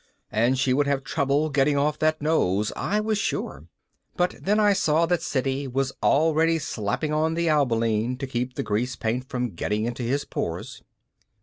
And she would have trouble getting off that nose, I was sure. But then I saw that Siddy was already slapping on the alboline to keep the grease paint from getting into his pores.